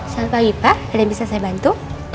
selamat pagi pak ada yang bisa saya bantu